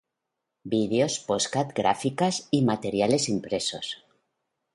Videos, podcasts, gráficas y materiales impresos.